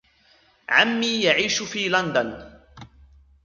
عمي يعيش في لندن.